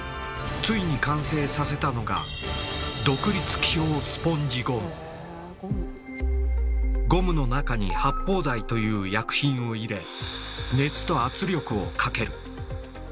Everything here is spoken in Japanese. ついに完成させたのがゴムの中に「発泡剤」という薬品を入れ熱と圧力をかける。